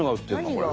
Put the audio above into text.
これ。